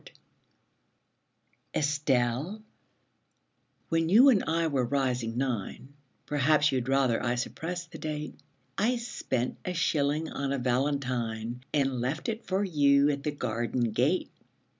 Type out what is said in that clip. ] ESTELLE, when you and I were rising nine Perhaps you'd rather I suppressed the date I spent a shilling on a valentine And left it for you at the garden gate.